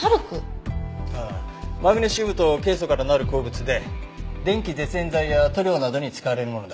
マグネシウムとケイ素からなる鉱物で電気絶縁材や塗料などに使われるものだ。